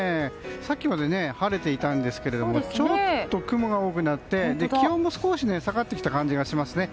さっきまで晴れていたんですけどちょっと雲が多くなって気温も少し下がってきた感じがしますね。